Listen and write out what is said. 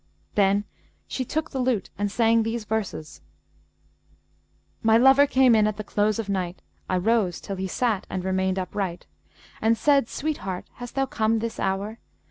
Then she took the lute and sang these verses, 'My lover came in at the close of night, * I rose till he sat and remained upright; And said 'Sweet heart, hast thou come this hour?